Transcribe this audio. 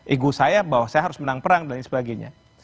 ego saya bahwa saya harus menang perang dan lain sebagainya